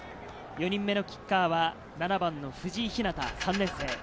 ４人目のキッカーは７番の藤井日向・３年生。